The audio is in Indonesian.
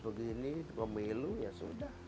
begini pemilu ya sudah